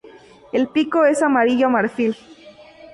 El pico es amarillo marfil.